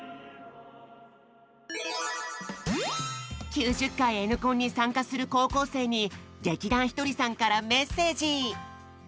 ９０回Ｎコンに参加する高校生に劇団ひとりさんからメッセージ！